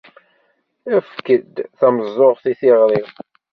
Efk-d tameẓẓuɣt i tiɣri-w.